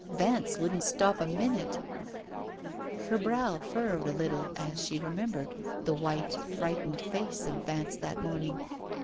Vance wouldn't stop a minute " Her brow furrowed a little as she remembered the white, frightened face of Vance that morning.